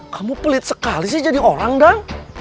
kamu pelit sekali sih jadi orang dong